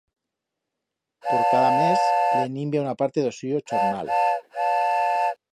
Por cada mes le ninvia una parte d'o suyo chornal.